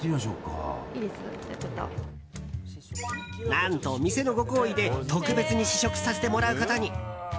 何と、店のご厚意で特別に試食させてもらうことに。